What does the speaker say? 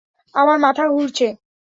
আমার মাথা ঘুরছে।